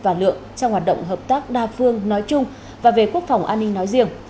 và lượng trong hoạt động hợp tác đa phương nói chung và về quốc phòng an ninh nói riêng